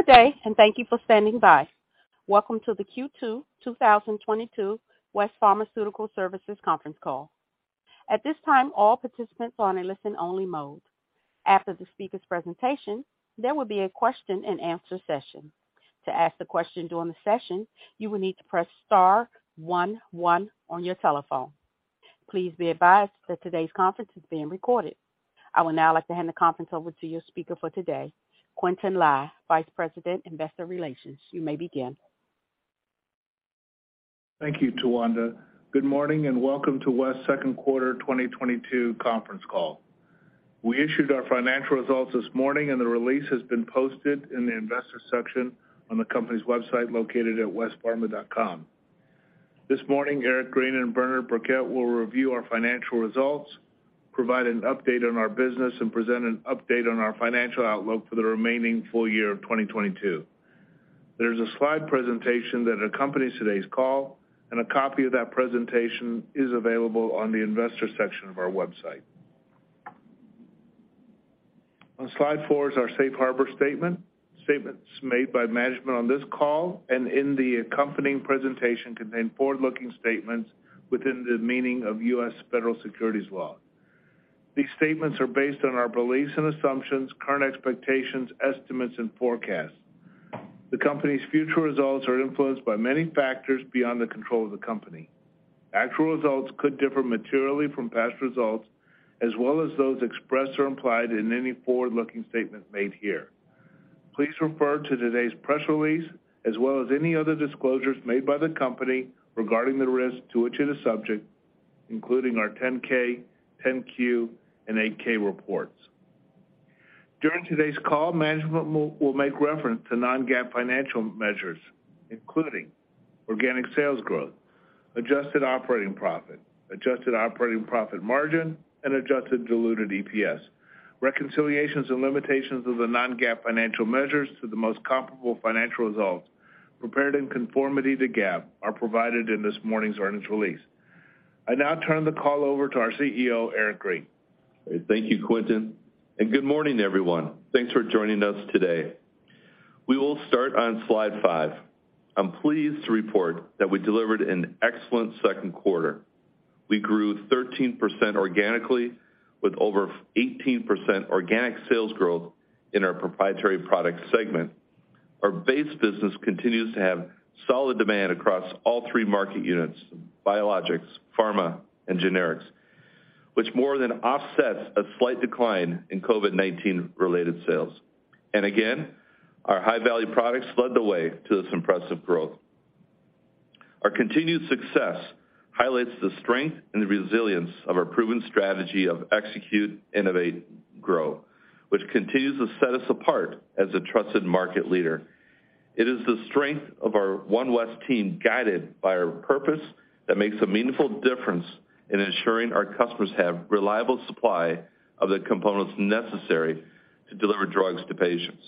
Good day, and thank you for standing by. Welcome to the Q2 2022 West Pharmaceutical Services conference call. At this time, all participants are in a listen-only mode. After the speaker's presentation, there will be a question-and-answer session. To ask the question during the session, you will need to press star one one on your telephone. Please be advised that today's conference is being recorded. I would now like to hand the conference over to your speaker for today, Quintin Lai, Vice President, Investor Relations. You may begin. Thank you, Tawanda. Good morning, and welcome to West second 1/4 2022 conference call. We issued our financial results this morning, and the release has been posted in the Investor section on the company's website, located at westpharma.com. This morning, Eric Green and Bernard Birkett will review our financial results, provide an update on our business, and present an update on our financial outlook for the remaining full year of 2022. There's a Slide presentation that accompanies today's call, and a copy of that presentation is available on the Investor section of our website. On Slide 4 is our safe harbor statement. Statements made by management on this call and in the accompanying presentation contain Forward-Looking statements within the meaning of U.S. federal securities law. These statements are based on our beliefs and assumptions, current expectations, estimates, and forecasts. The company's future results are influenced by many factors beyond the control of the company. Actual results could differ materially from past results, as well as those expressed or implied in any Forward-Looking statements made here. Please refer to today's press release, as well as any other disclosures made by the company regarding the risks to which we are subject, including our 10-K, 10-Q, and 8-K reports. During today's call, management will make reference to Non-GAAP financial measures, including organic sales growth, adjusted operating profit, adjusted operating profit margin, and adjusted diluted EPS. Reconciliations and limitations of the Non-GAAP financial measures to the most comparable financial results prepared in conformity to GAAP are provided in this morning's earnings release. I now turn the call over to our CEO, Eric Green. Thank you, Quintin, and good morning, everyone. Thanks for joining us today. We will start on Slide 5. I'm pleased to report that we delivered an excellent second 1/4. We grew 13% organically with over 18% organic sales growth in our proprietary product segment. Our base business continues to have solid demand across all 3 market units: biologics, pharma, and generics, which more than offsets a slight decline in COVID-19-related sales. Again, our high-value products led the way to this impressive growth. Our continued success highlights the strength and the resilience of our proven strategy of execute, innovate, grow, which continues to set us apart as a trusted market leader. It is the strength of our one West team, guided by our purpose, that makes a meaningful difference in ensuring our customers have reliable supply of the components necessary to deliver drugs to patients.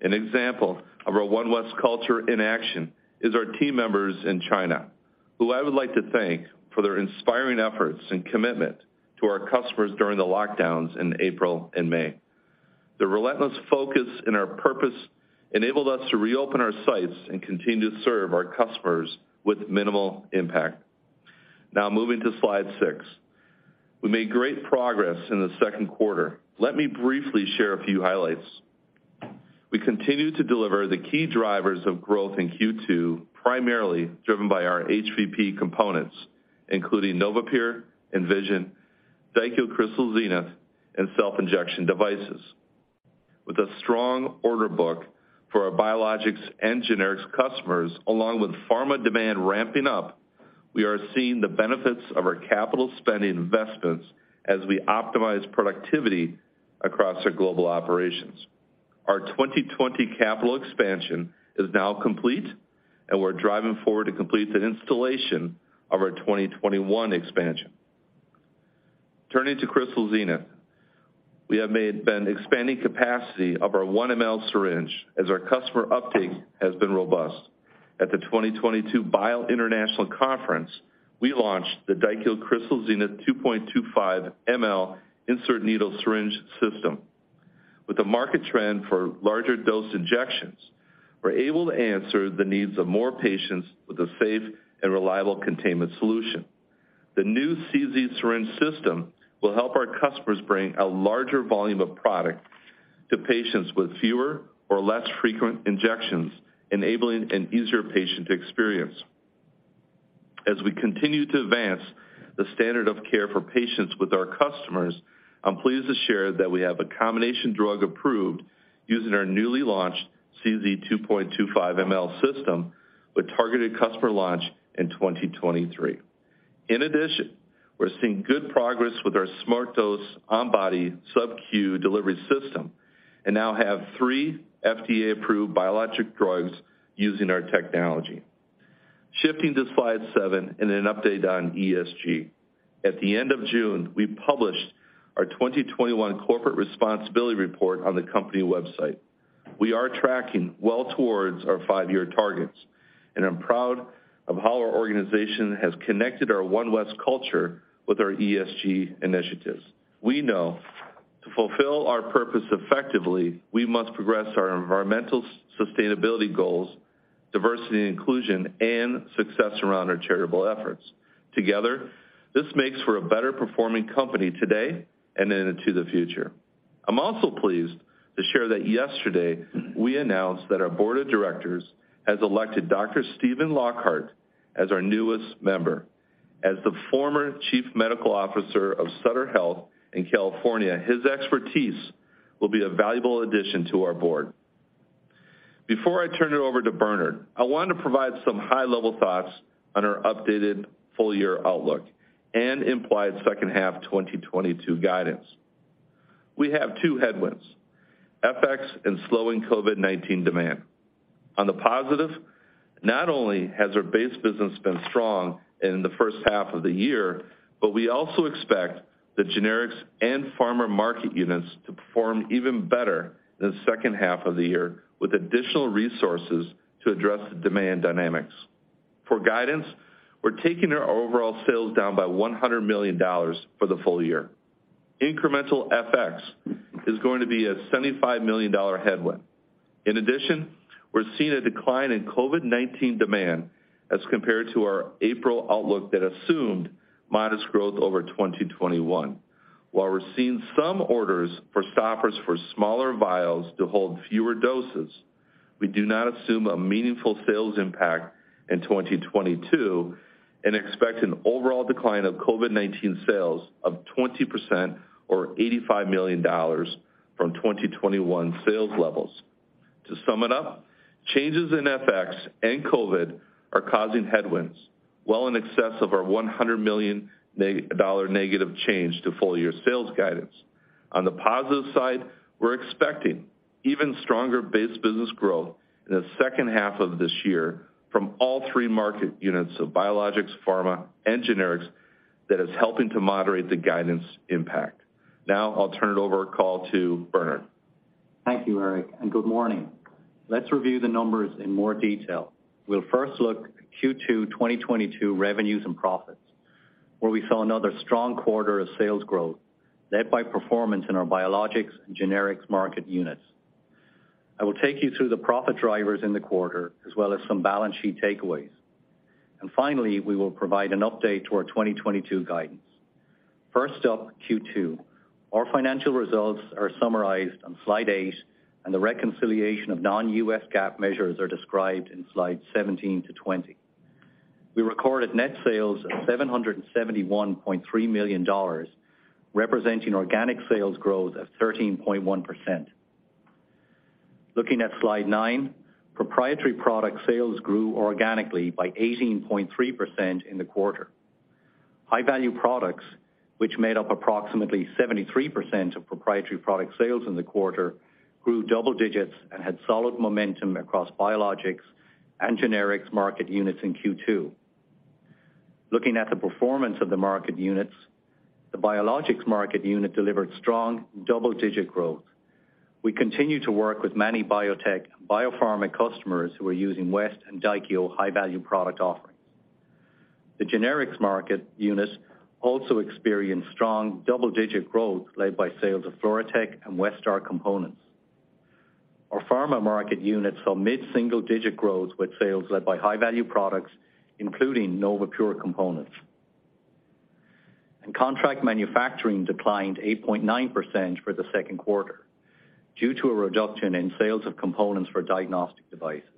An example of our one West culture in action is our team members in China, who I would like to thank for their inspiring efforts and commitment to our customers during the lockdowns in April and May. The relentless focus in our purpose enabled us to reopen our sites and continue to serve our customers with minimal impact. Now moving to Slide 6. We made great progress in the second 1/4. Let me briefly share a few highlights. We continue to deliver the key drivers of growth in Q2, primarily driven by our HVP components, including NovaPure®, Envision, Daikyo Crystal Zenith, and self-injection devices. With a strong order book for our biologics and generics customers, along with pharma demand ramping up, we are seeing the benefits of our capital spending investments as we optimize productivity across our global operations. Our 2020 capital expansion is now complete, and we're driving forward to complete the installation of our 2021 expansion. Turning to Crystal Zenith. We have been expanding capacity of our 1 ml syringe as our customer uptake has been robust. At the 2022 BIO International Convention, we launched the Daikyo Crystal Zenith 2.25 ml insert needle syringe system. With the market trend for larger dose injections, we're able to answer the needs of more patients with a safe and reliable containment solution. The new CZ syringe system will help our customers bring a larger volume of product to patients with fewer or less frequent injections, enabling an easier patient experience. As we continue to advance the standard of care for patients with our customers, I'm pleased to share that we have a combination drug approved using our newly launched CZ 2.25 ml system with targeted customer launch in 2023. In addition, we're seeing good progress with our SmartDose on body subQ delivery system and now have 3 FDA-approved biologic drugs using our technology. Shifting to Slide 7 and an update on ESG. At the end of June, we published our 2021 corporate responsibility report on the company website. We are tracking well towards our 5-year targets. I'm proud of how our organization has connected our One West culture with our ESG initiatives. We know to fulfill our purpose effectively, we must progress our environmental sustainability goals, diversity and inclusion, and success around our charitable efforts. Together, this makes for a better-performing company today and into the future. I'm also pleased to share that yesterday we announced that our board of directors has elected Dr. Stephen Lockhart as our newest member. As the former Chief Medical Officer of Sutter Health in California, his expertise will be a valuable addition to our board. Before I turn it over to Bernard, I want to provide some high-level thoughts on our updated full-year outlook and implied second 1/2 2022 guidance. We have 2 headwinds, FX and slowing COVID-19 demand. On the positive, not only has our base business been strong in the first 1/2 of the year, but we also expect the generics and pharma market units to perform even better in the second 1/2 of the year with additional resources to address the demand dynamics. For guidance, we're taking our overall sales down by $100 million for the full year. Incremental FX is going to be a $75 million headwind. In addition, we're seeing a decline in COVID-19 demand as compared to our April outlook that assumed modest growth over 2021. While we're seeing some orders for stoppers for smaller vials to hold fewer doses, we do not assume a meaningful sales impact in 2022 and expect an overall decline of COVID-19 sales of 20% or $85 million from 2021 sales levels. To sum it up, changes in FX and COVID are causing headwinds well in excess of our $100 million dollar negative change to full year sales guidance. On the positive side, we're expecting even stronger base business growth in the second 1/2 of this year from all 3 market units of biologics, pharma, and generics that is helping to moderate the guidance impact. Now I'll turn it over to Bernard. Thank you, Eric, and good morning. Let's review the numbers in more detail. We'll first look at Q2 2022 revenues and profits, where we saw another strong 1/4 of sales growth led by performance in our biologics and generics market units. I will take you through the profit drivers in the 1/4 as well as some balance sheet takeaways. Finally, we will provide an update to our 2022 guidance. First up, Q2. Our financial results are summarized on Slide 8, and the reconciliation of Non-GAAP measures are described in Slides 17-20. We recorded net sales of $771.3 million, representing organic sales growth of 13.1%. Looking at Slide 9, proprietary product sales grew organically by 18.3% in the 1/4. High-value products, which made up approximately 73% of proprietary product sales in the 1/4, grew double digits and had solid momentum across biologics and generics market units in Q2. Looking at the performance of the market units, the biologics market unit delivered strong double-digit growth. We continue to work with many biotech and biopharma customers who are using West and Daikyo high-value product offerings. The generics market units also experienced strong double-digit growth led by sales of FluroTec and Westar components. Our pharma market units saw mid-single digit growth with sales led by high-value products including NovaPure® components. Contract manufacturing declined 8.9% for the second 1/4 due to a reduction in sales of components for diagnostic devices.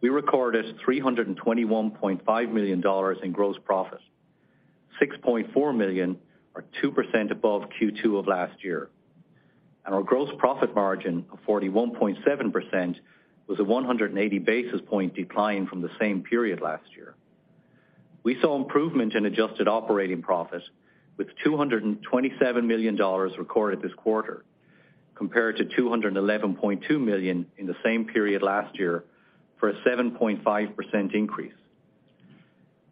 We recorded $321.5 million in gross profit, $6.4 million or 2% above Q2 of last year. Our gross profit margin of 41.7% was a 180 basis point decline from the same period last year. We saw improvement in adjusted operating profit with $227 million recorded this 1/4, compared to $211.2 million in the same period last year for a 7.5% increase.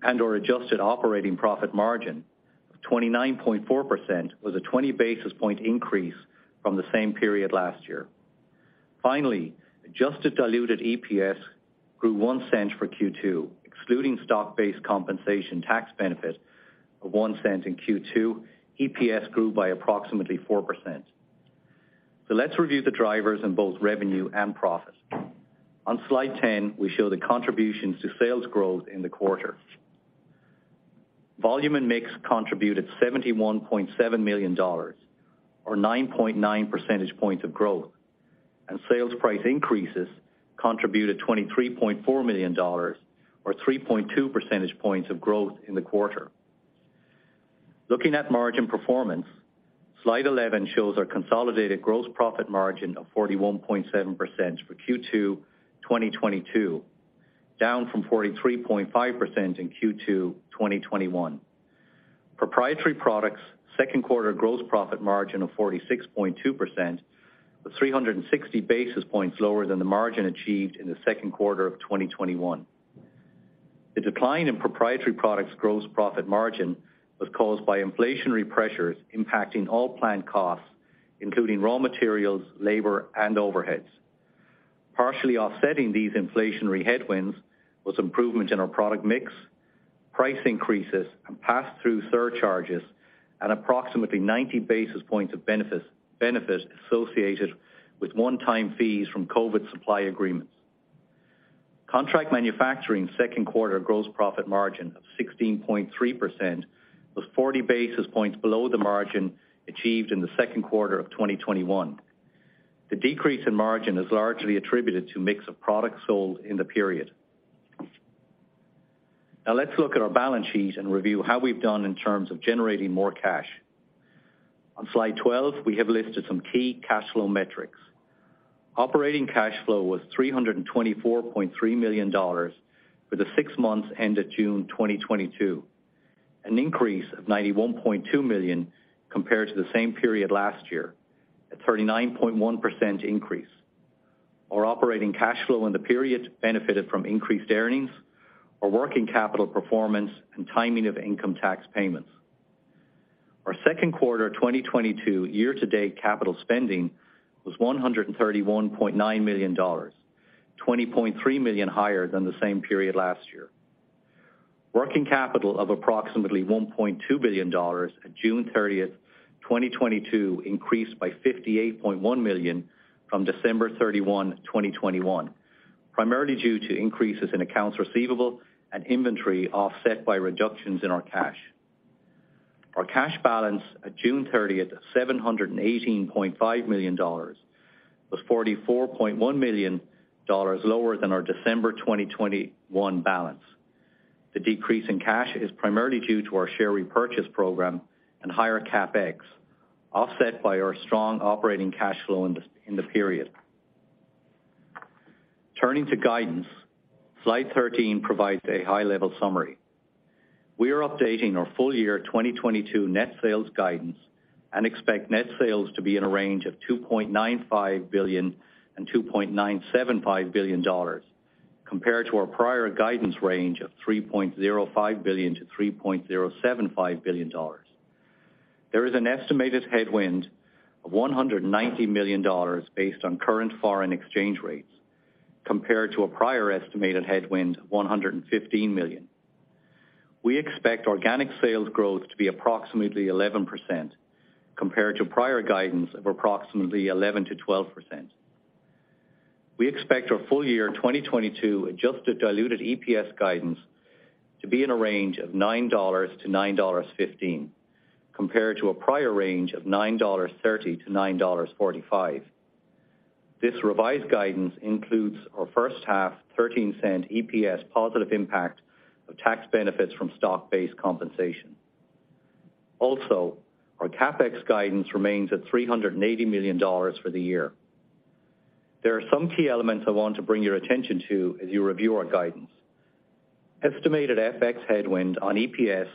Our adjusted operating profit margin of 29.4% was a 20 basis point increase from the same period last year. Finally, adjusted diluted EPS grew $0.01 for Q2, excluding stock-based compensation tax benefit of $0.01 in Q2, EPS grew by approximately 4%. Let's review the drivers in both revenue and profit. On Slide 10, we show the contributions to sales growth in the 1/4. Volume and mix contributed $71.7 million or 9.9 percentage points of growth, and sales price increases contributed $23.4 million or 3.2 percentage points of growth in the 1/4. Looking at margin performance, Slide 11 shows our consolidated gross profit margin of 41.7% for Q2 2022, down from 43.5% in Q2 2021. Proprietary products' second 1/4 gross profit margin of 46.2% was 360 basis points lower than the margin achieved in the second 1/4 of 2021. The decline in proprietary products gross profit margin was caused by inflationary pressures impacting all plant costs, including raw materials, labor and overheads. Partially offsetting these inflationary headwinds was improvements in our product mix, price increases and pass-through surcharges at approximately 90 basis points of benefits associated with one-time fees from COVID supply agreements. Contract manufacturing second 1/4 gross profit margin of 16.3% was 40 basis points below the margin achieved in the second 1/4 of 2021. The decrease in margin is largely attributed to mix of products sold in the period. Now let's look at our balance sheet and review how we've done in terms of generating more cash. On Slide 12, we have listed some key cash flow metrics. Operating cash flow was $324.3 million for the 6 months ended June 2022, an increase of $91.2 million compared to the same period last year, a 39.1% increase. Our operating cash flow in the period benefited from increased earnings, our working capital performance and timing of income tax payments. Our second 1/4 2022 year-to-date capital spending was $131.9 million, $20.3 million higher than the same period last year. Working capital of approximately $1.2 billion at June 30, 2022 increased by $58.1 million from December 31, 2021, primarily due to increases in accounts receivable and inventory offset by reductions in our cash. Our cash balance at June 30, $718.5 million, was $44.1 million lower than our December 2021 balance. The decrease in cash is primarily due to our share repurchase program and higher CapEx, offset by our strong operating cash flow in the period. Turning to guidance, Slide 13 provides a high-level summary. We are updating our full year 2022 net sales guidance and expect net sales to be in a range of $2.95 billion-$2.975 billion compared to our prior guidance range of $3.05 billion-$3.075 billion. There is an estimated headwind of $190 million based on current foreign exchange rates compared to a prior estimated headwind of $115 million. We expect organic sales growth to be approximately 11% compared to prior guidance of approximately 11%-12%. We expect our full year 2022 adjusted diluted EPS guidance to be in a range of $9-$9.15, compared to a prior range of $9.30-$9.45. This revised guidance includes our first 1/2 13-cent EPS positive impact of tax benefits from stock-based compensation. Also, our CapEx guidance remains at $380 million for the year. There are some key elements I want to bring to your attention to as you review our guidance. Estimated FX headwind on EPS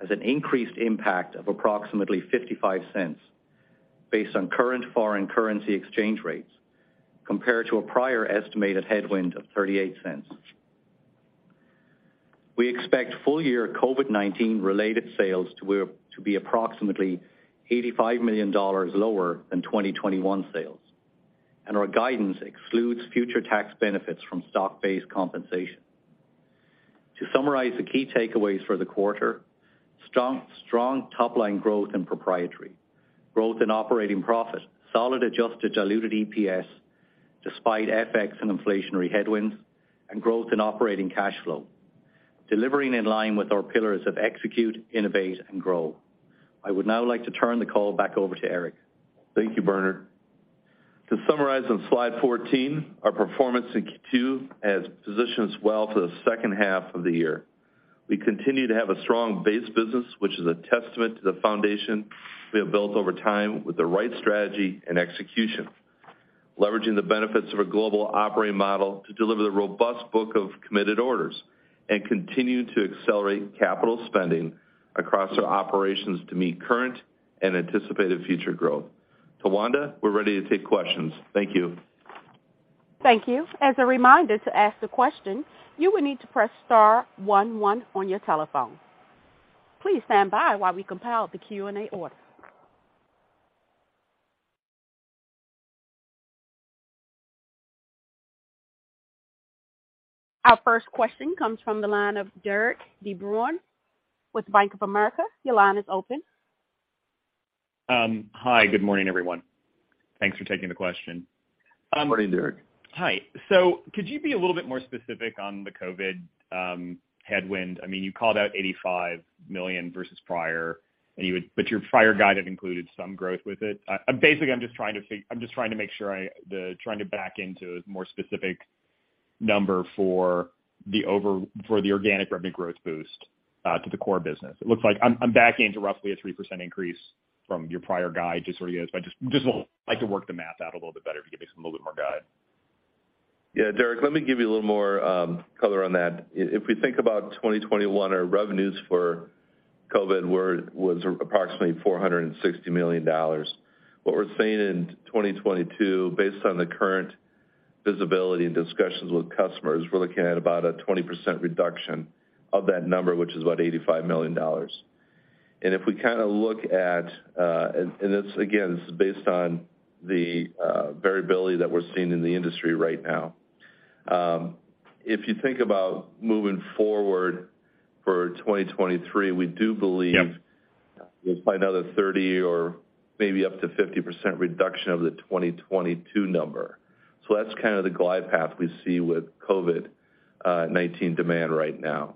has an increased impact of approximately $0.55 based on current foreign currency exchange rates compared to a prior estimated headwind of $0.38. We expect full-year COVID-19 related sales to be approximately $85 million lower than 2021 sales, and our guidance excludes future tax benefits from stock-based compensation. To summarize the key takeaways for the 1/4, strong top line growth in proprietary, growth in operating profit, solid adjusted diluted EPS despite FX and inflationary headwinds, and growth in operating cash flow, delivering in line with our pillars of execute, innovate and grow. I would now like to turn the call back over to Eric. Thank you, Bernard. To summarize on Slide 14, our performance in Q2 has positioned us well to the second 1/2 of the year. We continue to have a strong base business, which is a testament to the foundation we have built over time with the right strategy and execution, leveraging the benefits of a global operating model to deliver the robust book of committed orders and continue to accelerate capital spending across our operations to meet current and anticipated future growth. Tawanda, we're ready to take questions. Thank you. Thank you. As a reminder to ask the question, you will need to press star one one on your telephone. Please stand by while we compile the Q&A order. Our first question comes from the line of Derik DeBruin with Bank of America. Your line is open. Hi, good morning, everyone. Thanks for taking the question. Good morning, Derek. Hi. Could you be a little bit more specific on the COVID headwind? I mean, you called out $85 million versus prior, and you would, but your prior guide had included some growth with it. Basically, I'm just trying to make sure, trying to back into a more specific number for the overall organic revenue growth boost to the core business. It looks like I'm backing into roughly a 3% increase from your prior guide, just so we get. I just would like to work the math out a little bit better to give you some a little bit more guidance. Yeah, Derek DeBruin, let me give you a little more color on that. If we think about 2021, our revenues for COVID was approximately $460 million. What we're seeing in 2022, based on the current visibility and discussions with customers, we're looking at about a 20% reduction of that number, which is about $85 million. If we kinda look at this again, this is based on the variability that we're seeing in the industry right now. If you think about moving forward for 2023, we do believe- Yep. We'll find another 30 or maybe up to 50% reduction of the 2022 number. That's kind of the glide path we see with COVID-19 demand right now.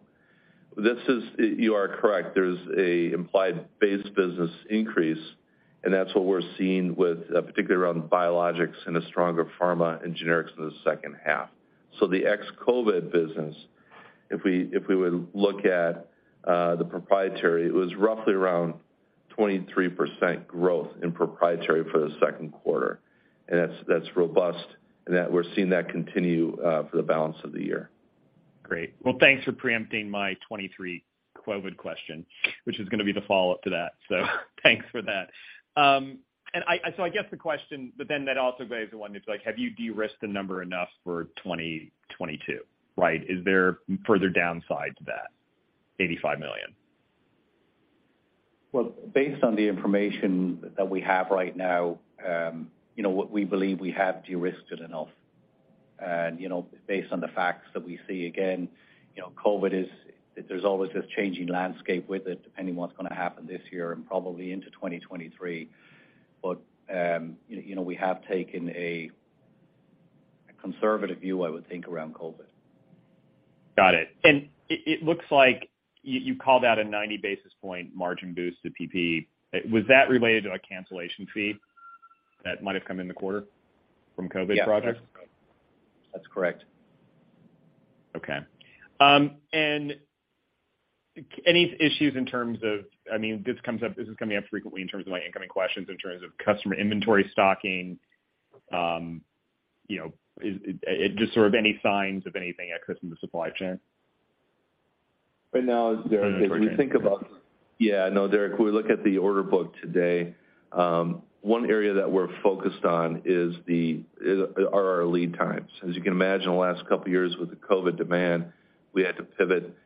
You are correct. There's an implied base business increase, and that's what we're seeing with particularly around biologics and a stronger pharma and generics in the second 1/2. The Ex-COVID business, if we would look at the proprietary, it was roughly around 23% growth in proprietary for the second 1/4. That's robust and we're seeing that continue for the balance of the year. Great. Well, thanks for preempting my 23 COVID question, which is gonna be the Follow-Up to that. I guess the question, but then that also begs the question is like, have you de-risked the number enough for 2022, right? Is there further downside to that $85 million? Well, based on the information that we have right now, you know, what we believe we have to risked it enough. You know, based on the facts that we see, again, you know, there's always this changing landscape with it, depending what's gonna happen this year and probably into 2023. You know, we have taken a conservative view, I would think, around COVID. Got it. It looks like you called out a 90 basis point margin boost to PP. Was that related to a cancellation fee that might have come in the 1/4 from COVID projects? Yes. That's correct. Okay. Any issues in terms of, I mean, this comes up, this is coming up frequently in terms of my incoming questions in terms of customer inventory stocking. You know, is it just sort of any signs of anything that cuts in the supply chain? Right now, Derek, if we look at the order book today, one area that we're focused on is our lead times. As you can imagine, the last couple of years with the COVID demand, we had to pivot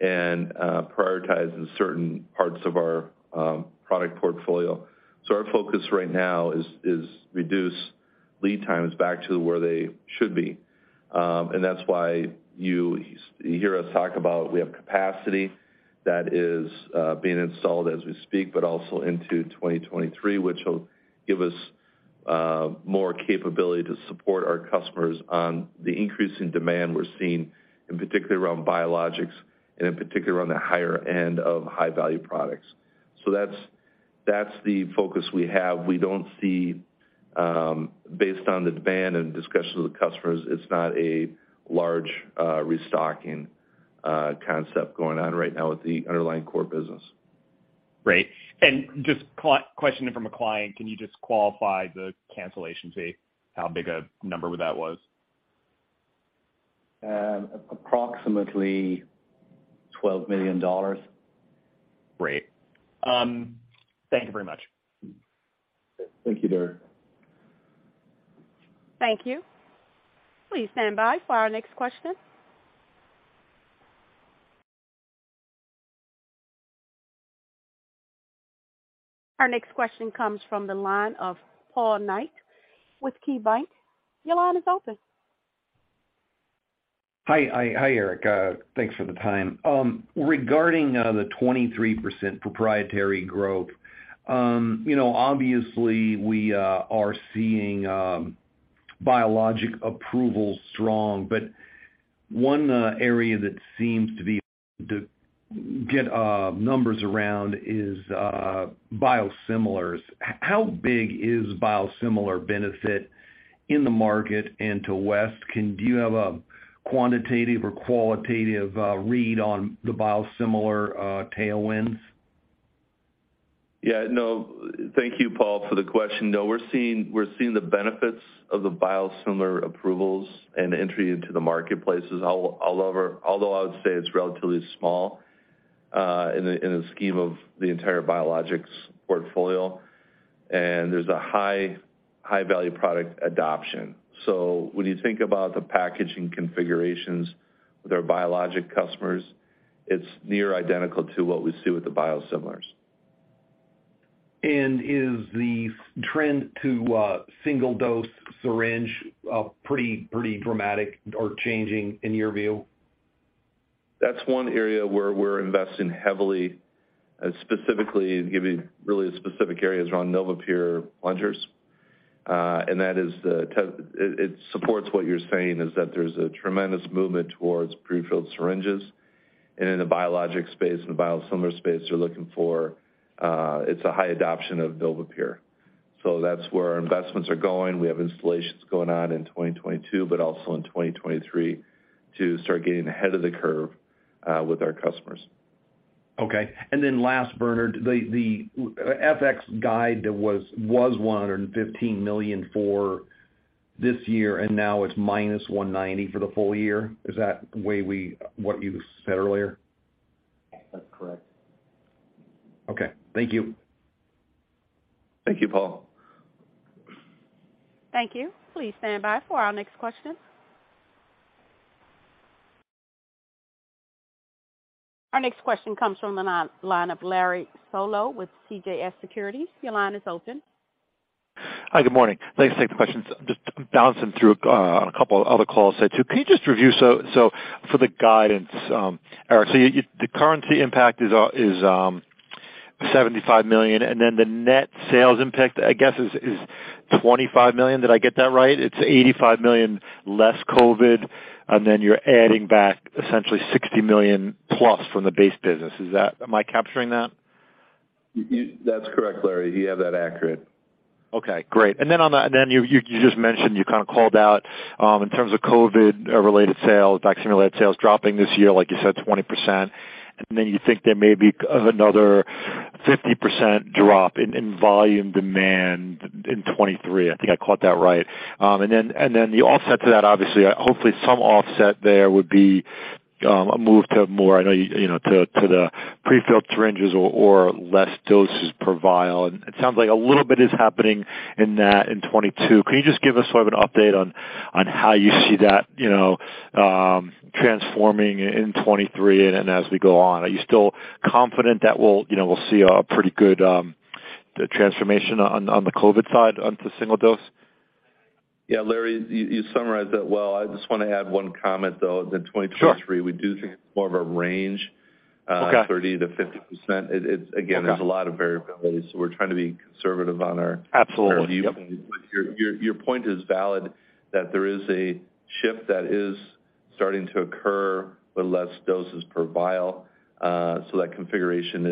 and prioritize in certain parts of our product portfolio. Our focus right now is to reduce lead times back to where they should be. That's why you hear us talk about we have capacity that is being installed as we speak, but also into 2023, which will give us more capability to support our customers on the increase in demand we're seeing, and particularly around biologics and in particular on the higher end of high-value products. That's the focus we have. We don't see, based on the demand and discussions with customers, it's not a large, restocking, concept going on right now with the underlying core business. Great. Just a quick question from a client, can you just qualify the cancellation fee? How big a number that was? Approximately $12 million. Great. Thank you very much. Thank you, Derek. Thank you. Please stand by for our next question. Our next question comes from the line of Paul Knight with KeyBanc. Your line is open. Hi, Eric. Thanks for the time. Regarding the 23% proprietary growth, you know, obviously we are seeing biologic approval strong, but one area that seems to get numbers around is biosimilars. How big is biosimilar benefit in the market and to West? Do you have a quantitative or qualitative read on the biosimilar tailwinds? Yeah. No. Thank you, Paul, for the question. No, we're seeing the benefits of the biosimilar approvals and entry into the marketplaces all over. Although I would say it's relatively small in the scheme of the entire biologics portfolio, and there's a high-value product adoption. When you think about the packaging configurations with our biologic customers, it's near identical to what we see with the biosimilars. Is the trend to a single-dose syringe pretty dramatic or changing in your view? That's one area where we're investing heavily, specifically giving really specific areas around NovaPure® plungers. It supports what you're saying is that there's a tremendous movement towards prefilled syringes. In the biologic space and the biosimilar space, they're looking for. It's a high adoption of NovaPure®. That's where our investments are going. We have installations going on in 2022, but also in 2023 to start getting ahead of the curve, with our customers. Okay. Last, Bernard, the FX guide that was $115 million for this year, and now it's -$190 million for the full year. Is that what you said earlier? That's correct. Okay. Thank you. Thank you, Paul. Thank you. Please stand by for our next question. Our next question comes from the line of Larry Solow with CJS Securities. Your line is open. Hi, good morning. Thanks. Same questions. Just bouncing through on a couple other calls here too. Can you just review so for the guidance, Eric, so the currency impact is $75 million, and then the net sales impact, I guess, is $25 million. Did I get that right? It's $85 million less COVID, and then you're adding back essentially $60 million plus from the base business. Is that? Am I capturing that? That's correct, Larry. You have that accurate. Okay, great. You just mentioned you kind of called out, in terms of COVID-related sales, vaccine-related sales dropping this year, like you said, 20%. You think there may be another 50% drop in volume demand in 2023. I think I caught that right. The offset to that, obviously, hopefully, some offset there would be a move to more, I know, you know, to the prefilled syringes or less doses per vial. It sounds like a little bit is happening in that in 2022. Can you just give us sort of an update on how you see that, you know, transforming in 2023 and then as we go on? Are you still confident that we'll, you know, we'll see a pretty good transformation on the COVID side onto single dose? Yeah, Larry, you summarized that well. I just wanna add one comment, though. Sure. In 2023, we do think it's more of a range. Okay. 30%-50%. It's, again- Okay. There's a lot of variability, so we're trying to be conservative on our Absolutely. current view. Your point is valid that there is a shift that is starting to occur with less doses per vial. So that configuration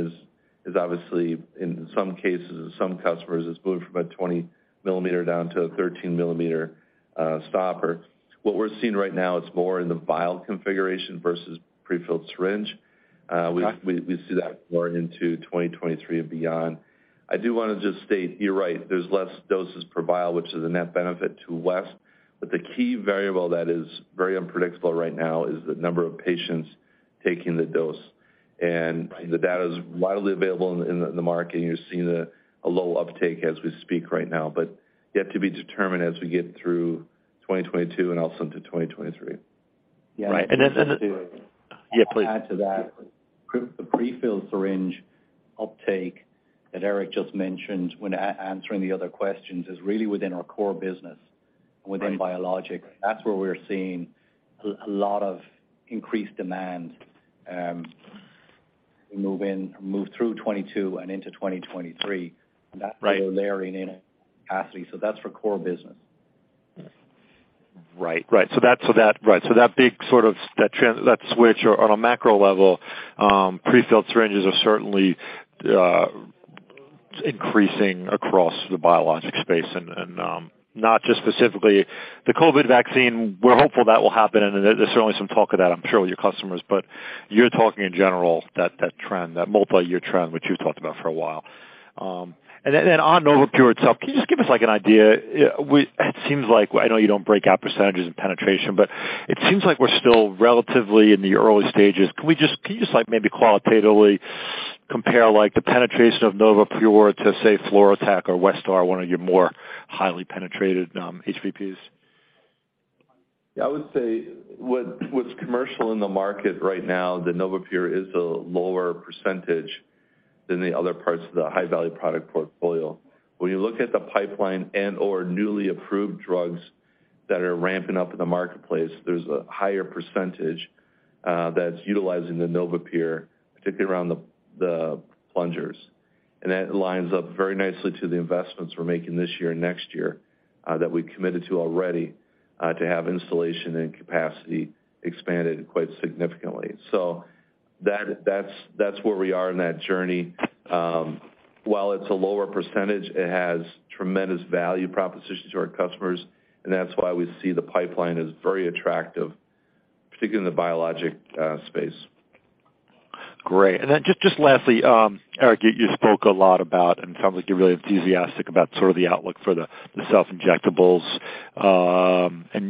is obviously, in some cases, some customers, it's moved from a 20-millimeter down to a 13-millimeter stopper. What we're seeing right now is more in the vial configuration versus prefilled syringe. We- Okay. We see that more into 2023 and beyond. I do wanna just state, you're right, there's less doses per vial, which is a net benefit to West. The key variable that is very unpredictable right now is the number of patients taking the dose. Right. The data is widely available in the market, and you're seeing a low uptake as we speak right now, but yet to be determined as we get through 2022 and also into 2023. Yeah. Right. Yeah, please. To add to that, the prefilled syringe uptake that Eric just mentioned when answering the other questions is really within our core business. Right. Within biologics, that's where we're seeing a lot of increased demand move in or move through '22 and into 2023. Right. That's really layering in capacity. That's for core business. Right. So that big sort of that switch on a macro level, prefilled syringes are certainly increasing across the biologic space and not just specifically the COVID vaccine. We're hopeful that will happen, and there's certainly some talk of that, I'm sure, with your customers. But you're talking in general that trend, that multiyear trend, which you've talked about for a while. And then on NovaPure® itself, can you just give us, like, an idea? It seems like I know you don't break out percentages and penetration, but it seems like we're still relatively in the early stages. Can you just, like, maybe qualitatively compare, like, the penetration of NovaPure® to, say, FluroTec or Westar, one of your more highly penetrated HVPs? Yeah. I would say what's commercial in the market right now, the NovaPure® is a lower percentage than the other parts of the high-value product portfolio. When you look at the pipeline or newly approved drugs that are ramping up in the marketplace, there's a higher percentage that's utilizing the NovaPure®, particularly around the plungers. That lines up very nicely to the investments we're making this year and next year that we committed to already to have installation and capacity expanded quite significantly. That's where we are in that journey. While it's a lower percentage, it has tremendous value proposition to our customers, and that's why we see the pipeline as very attractive, particularly in the biologic space. Great. Just lastly, Eric, you spoke a lot about, and it sounds like you're really enthusiastic about sort of the outlook for the self-injectables.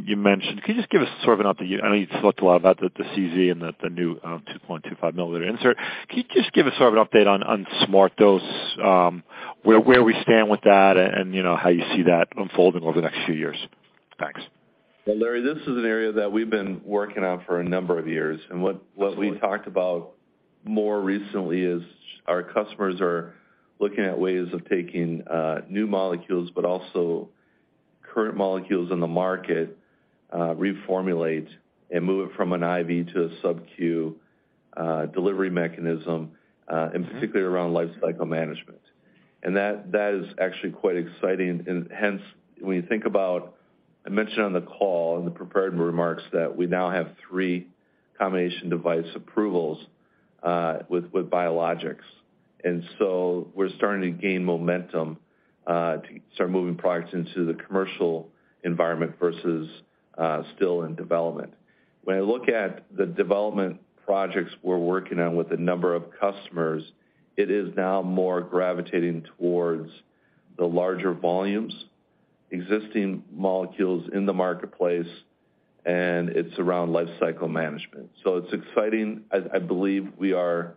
You mentioned. Can you just give us sort of, I know you've talked a lot about the CZ and the new 2.25 milliliter insert. Can you just give us sort of an update on SmartDose®, where we stand with that and, you know, how you see that unfolding over the next few years? Thanks. Well, Larry, this is an area that we've been working on for a number of years. Absolutely. What we talked about more recently is our customers are looking at ways of taking new molecules, but also current molecules in the market, reformulate and move it from an IV to a sub-Q delivery mechanism. Mm-hmm. Particularly around lifecycle management. That is actually quite exciting. Hence, when you think about, I mentioned on the call in the prepared remarks that we now have 3 combination device approvals with biologics. We're starting to gain momentum to start moving products into the commercial environment versus still in development. When I look at the development projects we're working on with a number of customers, it is now more gravitating towards the larger volumes, existing molecules in the marketplace, and it's around lifecycle management. It's exciting. I believe we are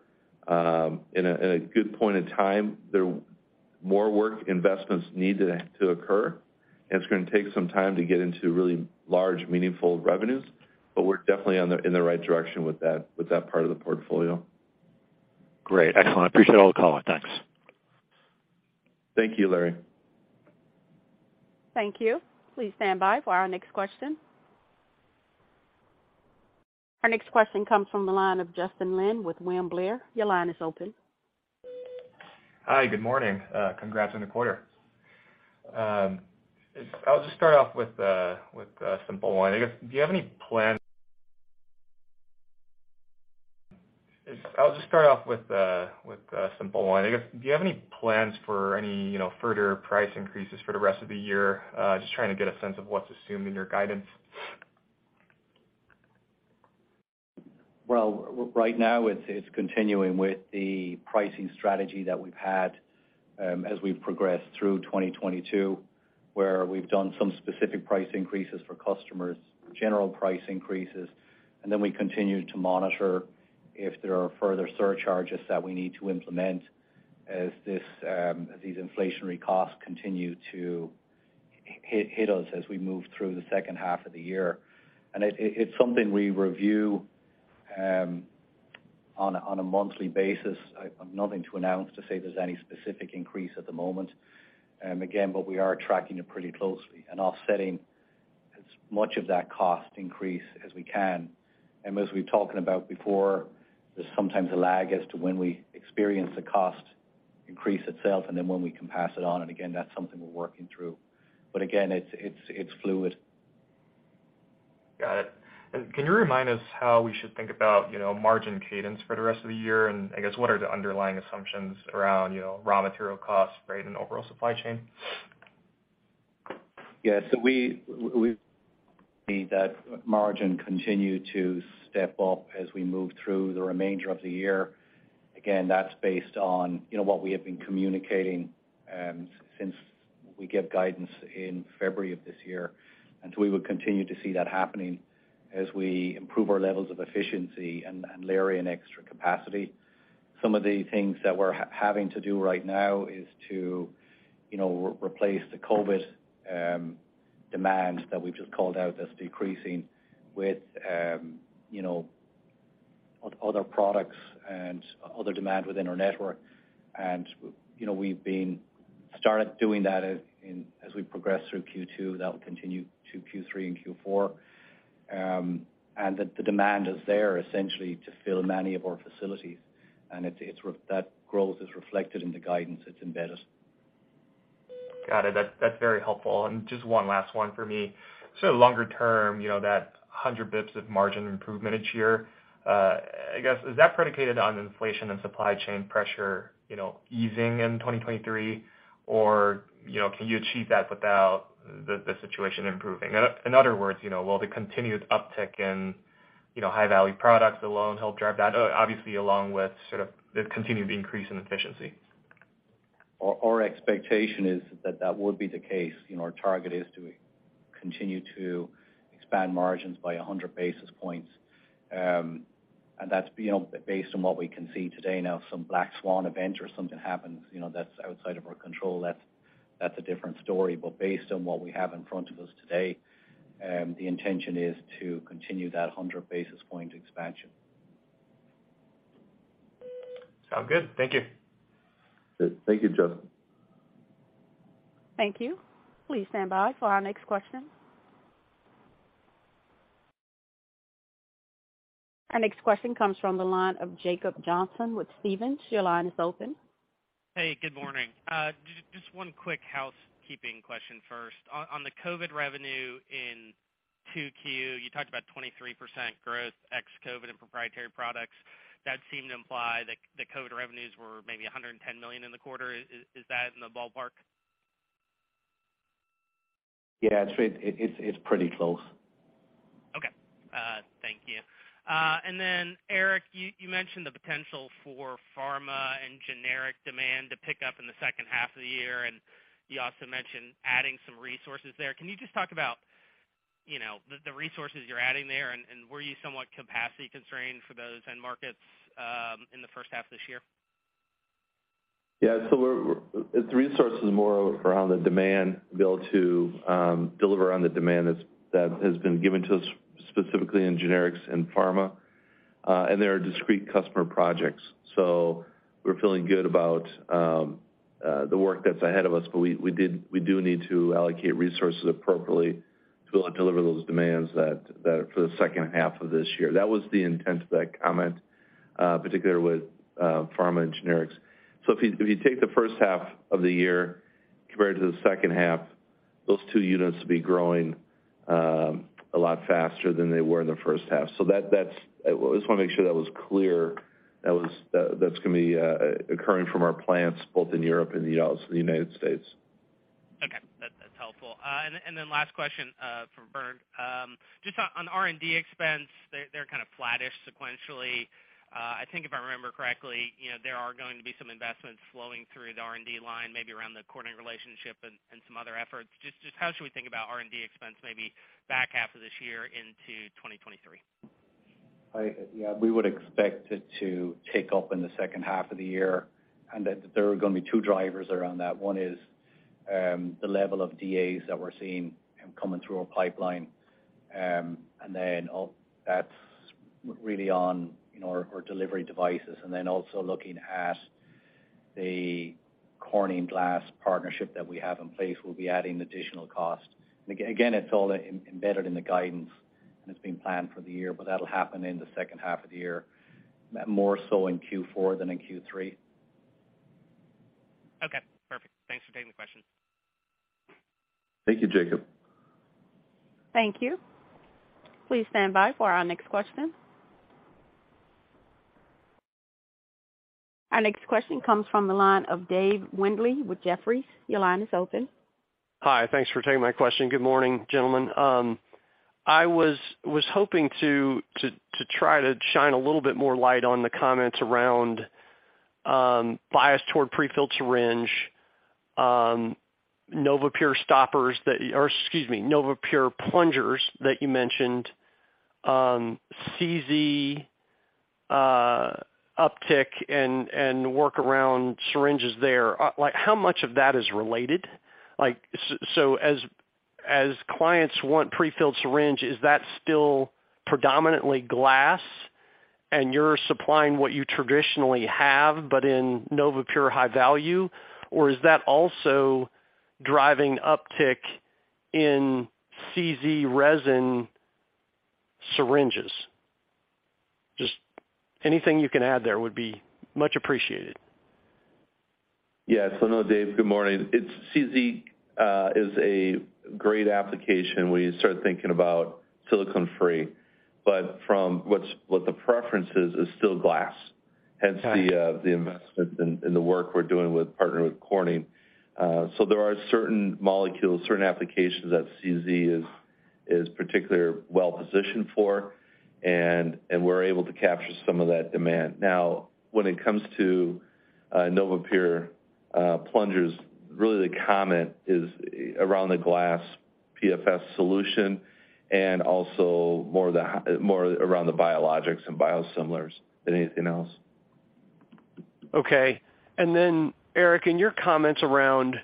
in a good point in time. More work investments need to occur, and it's gonna take some time to get into really large, meaningful revenues. We're definitely in the right direction with that, with that part of the portfolio. Great. Excellent. Appreciate all the color. Thanks. Thank you, Larry. Thank you. Please stand by for our next question. Our next question comes from the line of Justin Bowers with William Blair. Your line is open. Hi, good morning. Congrats on the 1/4. I'll just start off with a simple one, I guess. Do you have any plans for any, you know, further price increases for the rest of the year? Just trying to get a sense of what's assumed in your guidance. Well, right now it's continuing with the pricing strategy that we've had as we progress through 2022, where we've done some specific price increases for customers, general price increases, and then we continue to monitor if there are further surcharges that we need to implement as these inflationary costs continue to hit us as we move through the second 1/2 of the year. It's something we review on a monthly basis. I've nothing to announce to say there's any specific increase at the moment, again, but we are tracking it pretty closely and offsetting as much of that cost increase as we can. As we've talked about before, there's sometimes a lag as to when we experience a cost increase itself and then when we can pass it on. Again, that's something we're working through. Again, it's fluid. Got it. Can you remind us how we should think about, you know, margin cadence for the rest of the year? And I guess, what are the underlying assumptions around, you know, raw material costs, right, and overall supply chain? Yeah. We see that margin continue to step up as we move through the remainder of the year. Again, that's based on, you know, what we have been communicating since we gave guidance in February of this year. We would continue to see that happening as we improve our levels of efficiency and layer in extra capacity. Some of the things that we're having to do right now is to, you know, replace the COVID demand that we've just called out that's decreasing with, you know, other products and other demand within our ne2rk. You know, we've started doing that as we progress through Q2, that will continue to Q3 and Q4. The demand is there essentially to fill many of our facilities, and it's that growth is reflected in the guidance that's embedded. Got it. That's very helpful. Just one last one for me. Sort of longer term, you know, that 100 basis points of margin improvement each year, I guess, is that predicated on inflation and supply chain pressure, you know, easing in 2023? Or, you know, can you achieve that without the situation improving? In other words, you know, will the continued uptick in, you know, high-value products alone help drive that, obviously along with sort of the continued increase in efficiency? Our expectation is that would be the case. You know, our target is to continue to expand margins by 100 basis points. That's, you know, based on what we can see today. Now, if some black swan event or something happens, you know, that's outside of our control, that's a different story. Based on what we have in front of us today, the intention is to continue that 100 basis point expansion. Sounds good. Thank you. Good. Thank you, Justin. Thank you. Please stand by for our next question. Our next question comes from the line of Jacob Johnson with Stephens. Your line is open. Hey, good morning. Just one quick housekeeping question first. On the COVID revenue in 2Q, you talked about 23% growth Ex-COVID and proprietary products. That seemed to imply that COVID revenues were maybe $110 million in the 1/4. Is that in the ballpark? Yeah. It's pretty close. Okay. Thank you. Eric, you mentioned the potential for pharma and generic demand to pick up in the second 1/2 of the year, and you also mentioned adding some resources there. Can you just talk about, you know, the resources you're adding there? Were you somewhat capacity constrained for those end markets in the first 1/2 of this year? Yeah. It's resources more around the demand to be able to deliver on the demand that's been given to us specifically in generics and pharma. There are discrete customer projects. We're feeling good about the work that's ahead of us, but we do need to allocate resources appropriately to deliver those demands that are for the second 1/2 of this year. That was the intent of that comment, particularly with pharma and generics. If you take the first 1/2 of the year compared to the second 1/2, those 2 units will be growing a lot faster than they were in the first 1/2. That's. I just wanna make sure that was clear. That, that's gonna be occurring from our plants both in Europe and, obviously, the United States. Helpful. Last question for Bernard Birkett. Just on R&D expense, they're kind of flattish sequentially. I think if I remember correctly, you know, there are going to be some investments flowing through the R&D line, maybe around the Corning relationship and some other efforts. Just how should we think about R&D expense maybe back 1/2 of this year into 2023? Yeah, we would expect it to tick up in the second 1/2 of the year, and that there are gonna be 2 drivers around that. One is the level of DAs that we're seeing coming through our pipeline. Then all that's really on, you know, our delivery devices. Then also looking at the Corning Incorporated partnership that we have in place, we'll be adding additional cost. Again, it's all embedded in the guidance, and it's been planned for the year, but that'll happen in the second 1/2 of the year, more so in Q4 than in Q3. Okay, perfect. Thanks for taking the question. Thank you, Jacob. Thank you. Please stand by for our next question. Our next question comes from the line of David Windley with Jefferies. Your line is open. Hi. Thanks for taking my question. Good morning, gentlemen. I was hoping to try to shine a little bit more light on the comments around bias toward prefilled syringe NovaPure® stoppers. Or excuse me, NovaPure® plungers that you mentioned, CZ uptick and work around syringes there. Like, how much of that is related? Like, so as clients want prefilled syringe, is that still predominantly glass and you're supplying what you traditionally have but in NovaPure® high value, or is that also driving uptick in CZ resin syringes? Just anything you can add there would be much appreciated. No, Dave, good morning. CZ is a great application when you start thinking about silicone-free. But from what the preference is still glass. Got it. Hence the investment in the work we're doing with partnering with Corning. There are certain molecules, certain applications that CZ is particularly well-positioned for, and we're able to capture some of that demand. Now, when it comes to NovaPure® plungers, really the comment is around the glass PFS solution and also more around the biologics and biosimilars than anything else. Okay. Eric, in your comments around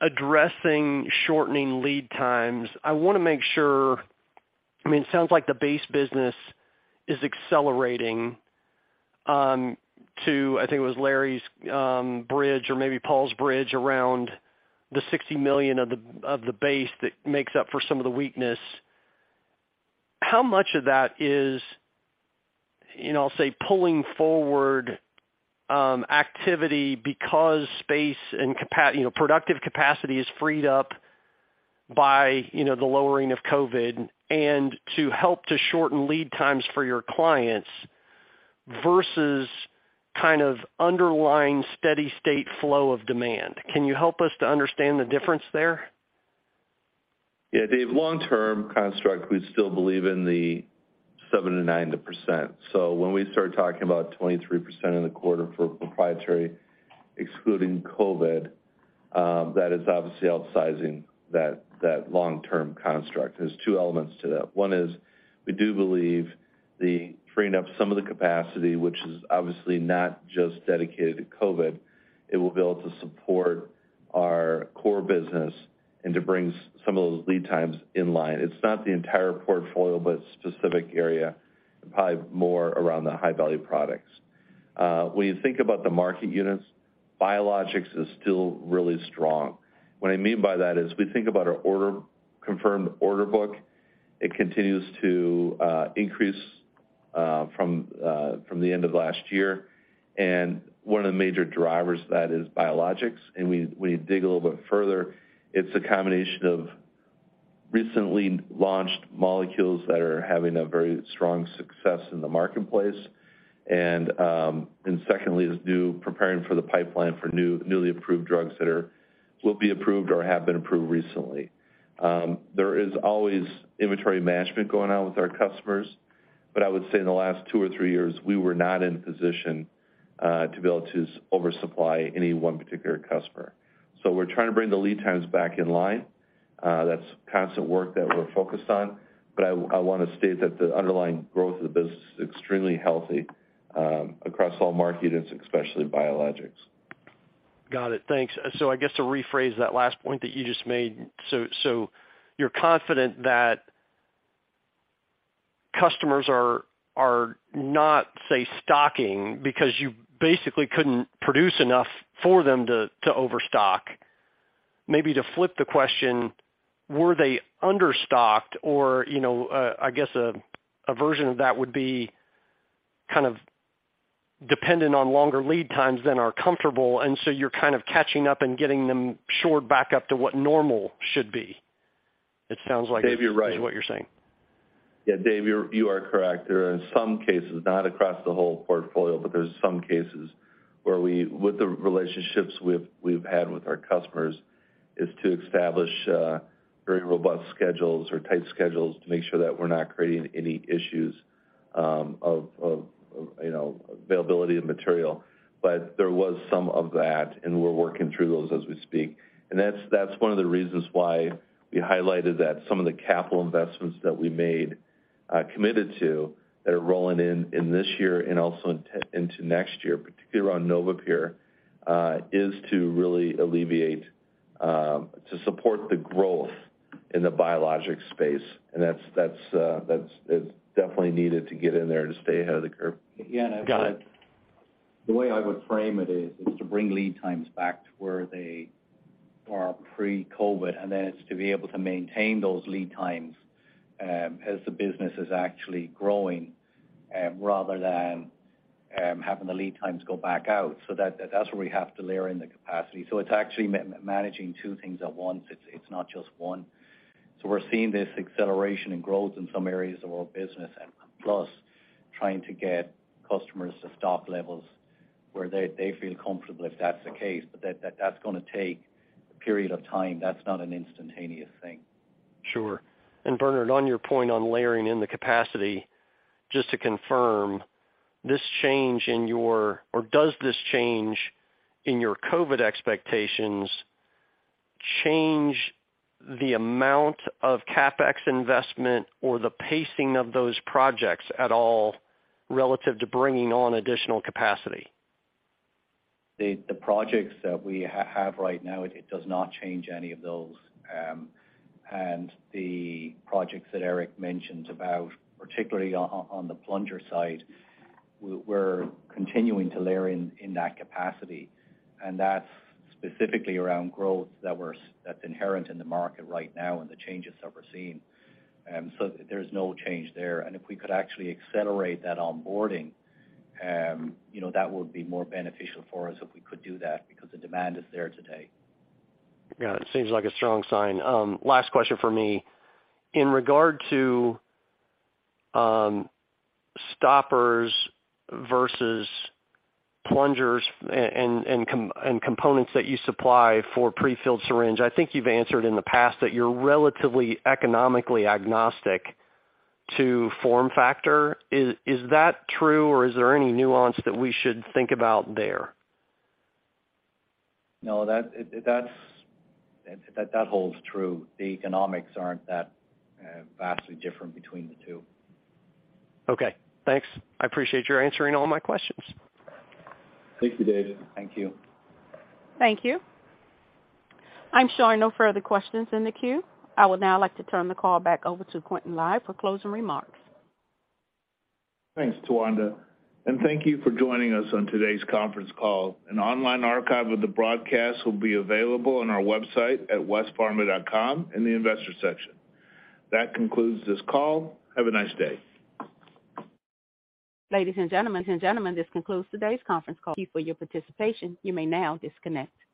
addressing shortening lead times, I wanna make sure. I mean, it sounds like the base business is accelerating to I think it was Larry's bridge or maybe Paul's bridge around the $60 million of the base that makes up for some of the weakness. How much of that is, you know, I'll say, pulling forward activity because space and you know, productive capacity is freed up by, you know, the lowering of COVID and to help to shorten lead times for your clients versus kind of underlying steady state flow of demand? Can you help us to understand the difference there? Yeah, Dave, long-term construct, we still believe in the 7%-9%. When we start talking about 23% in the 1/4 for proprietary excluding COVID, that is obviously outsizing that long-term construct. There's 2 elements to that. One is we do believe the freeing up some of the capacity, which is obviously not just dedicated to COVID. It will be able to support our core business and to bring some of those lead times in line. It's not the entire portfolio, but specific area, probably more around the high-value products. When you think about the market units, biologics is still really strong. What I mean by that is, we think about our confirmed order book. It continues to increase from the end of last year, and one of the major drivers of that is biologics. We, when you dig a little bit further, it's a combination of recently launched molecules that are having a very strong success in the marketplace. Secondly, is now preparing for the pipeline for new, newly approved drugs that will be approved or have been approved recently. There is always inventory management going on with our customers, but I would say in the last 2 or 3 years, we were not in a position to be able to oversupply any one particular customer. We're trying to bring the lead times back in line. That's constant work that we're focused on. I wanna state that the underlying growth of the business is extremely healthy across all market units, especially biologics. Got it. Thanks. I guess to rephrase that last point that you just made, you're confident that customers are not, say, stocking because you basically couldn't produce enough for them to overstock. Maybe to flip the question, were they understocked or, you know, I guess a version of that would be kind of dependent on longer lead times than are comfortable, and so you're kind of catching up and getting them shored back up to what normal should be. It sounds like. Dave, you're right. Is what you're saying. Yeah, Dave, you are correct. There are some cases, not across the whole portfolio, but there are some cases where, with the relationships we've had with our customers, is to establish very robust schedules or tight schedules to make sure that we're not creating any issues of you know, availability of material. There was some of that, and we're working through those as we speak. That's one of the reasons why we highlighted that some of the capital investments that we made, committed to that are rolling in this year and also into next year, particularly around NovaPure®, is to really alleviate to support the growth in the biologic space. That's, it's definitely needed to get in there to stay ahead of the curve. Yeah, and I- Got it. The way I would frame it is to bring lead times back to where they are Pre-COVID, and then it's to be able to maintain those lead times, as the business is actually growing, rather than having the lead times go back out. That's where we have to layer in the capacity. It's actually managing 2 things at once. It's not just one. We're seeing this acceleration in growth in some areas of our business and plus trying to get customers to stock levels where they feel comfortable if that's the case. That's gonna take a period of time. That's not an instantaneous thing. Sure. Bernard, on your point on layering in the capacity, just to confirm, or does this change in your COVID expectations change the amount of CapEx investment or the pacing of those projects at all relative to bringing on additional capacity? The projects that we have right now, it does not change any of those. The projects that Eric mentioned about, particularly on the plunger side, we're continuing to layer in that capacity. That's specifically around growth that's inherent in the market right now and the changes that we're seeing. There's no change there. If we could actually accelerate that onboarding, you know, that would be more beneficial for us if we could do that because the demand is there today. Yeah, it seems like a strong sign. Last question for me. In regard to stoppers versus plungers and components that you supply for Pre-filled syringe, I think you've answered in the past that you're relatively economically agnostic to form factor. Is that true, or is there any nuance that we should think about there? No, that holds true. The economics aren't that vastly different between the 2. Okay. Thanks. I appreciate your answering all my questions. Thank you, David. Thank you. Thank you. I'm showing no further questions in the queue. I would now like to turn the call back over to Quintin Lai for closing remarks. Thanks, Tawanda. Thank you for joining us on today's conference call. An online archive of the broadcast will be available on our website at westpharma.com in the Investor section. That concludes this call. Have a nice day. Ladies and gentlemen, this concludes today's conference call. Thank you for your participation. You may now disconnect.